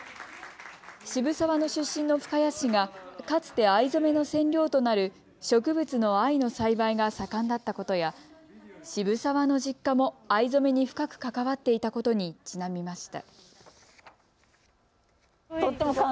渋沢の出身の深谷市がかつて藍染めの染料となる植物の藍の栽培が盛んだったことや渋沢の実家も藍染めに深く関わっていたことにちなみました。